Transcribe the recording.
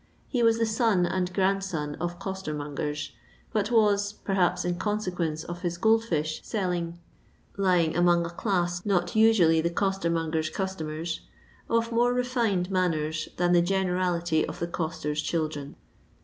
He was Ibe eon, and gnmdaon, of costermongen, bnt was — ^perhape, in conaeqnence of his gold fish selling lying among a class not nsnally the costermongers' castomen— of more refined manners than the gene rality of the ooeters' children.